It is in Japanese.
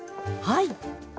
はい！